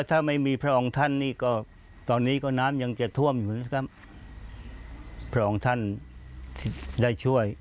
ถ้าไม่มีพระองค์ท่านนี่ก็จะท่วมอยู่นี่